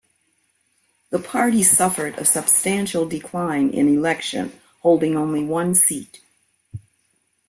The party suffered a substantial decline in the election, holding only one seat.